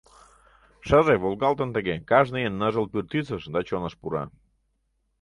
Шыже, волгалтын тыге, кажне ийын Ныжыл пӱртӱсыш да чоныш пура.